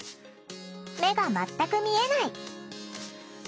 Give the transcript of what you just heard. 目が全く見えない。